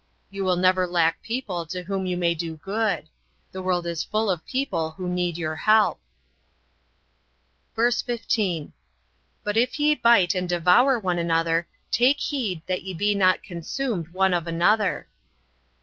You will never lack people to whom you may do good. The world is full of people who need your help." VERSE 15. But if ye bite and devour one another take heed that ye be not consumed one of another.